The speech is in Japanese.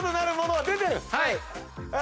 はい！